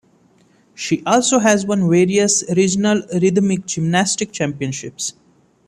She also has won various regional rhythmic gymnastics championships.